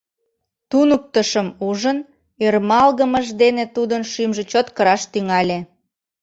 Туныктышым ужын ӧрмалгымыж дене тудым шӱмжӧ чот кыраш тӱҥале.